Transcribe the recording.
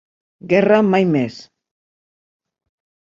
Guerra mai més!